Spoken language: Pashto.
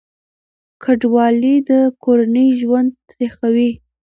کډوالي د کورنیو ژوند تریخوي.